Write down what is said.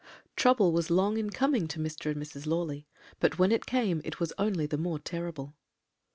"Trouble was long in coming to Mr. and Mrs. Lawley, but when it came it was only the more terrible.